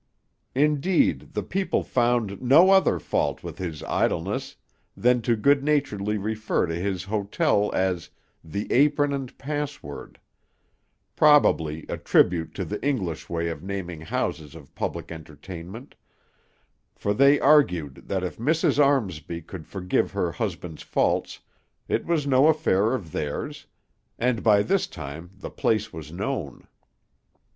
Indeed, the people found no other fault with his idleness than to good naturedly refer to his hotel as the "Apron and Password," probably a tribute to the English way of naming houses of public entertainment; for they argued that if Mrs. Armsby could forgive her husband's faults, it was no affair of theirs; and by this name the place was known.